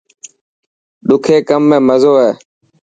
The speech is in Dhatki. ڏکي ڪم ۾ مزو هي.